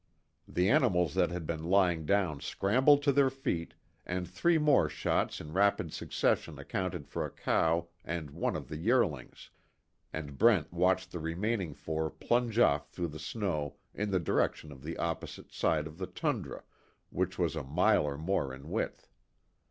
The animals that had been lying down scrambled to their feet, and three more shots in rapid succession accounted for a cow and one of the yearlings, and Brent watched the remaining four plunge off through the snow in the direction of the opposite side of the tundra which was a mile or more in width.